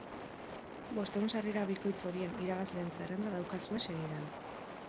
Bostehun sarrera bikoitz horien irabazleen zerrenda daukazue segidan.